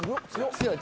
強い。